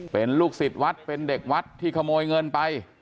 เป็นลูกศิษย์วัดเป็นเด็กวัดที่ขโมยเงินไป